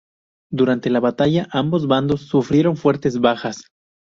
Durante la batalla ambos bandos sufrieron fuertes bajas.